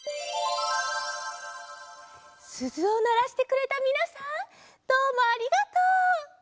すずをならしてくれたみなさんどうもありがとう。